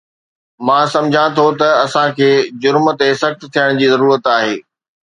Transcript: مان سمجهان ٿو ته اسان کي جرم تي سخت ٿيڻ جي ضرورت آهي